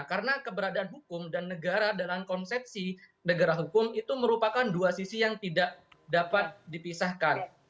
karena keberadaan hukum dan negara dalam konsepsi negara hukum itu merupakan dua sisi yang tidak dapat dipisahkan